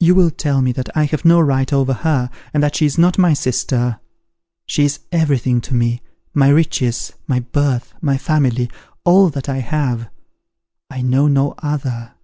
You will tell me that I have no right over her, and that she is not my sister. She is everything to me; my riches, my birth, my family, all that I have! I know no other.